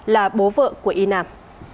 là bố vợ của y nam